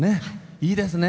いいですね。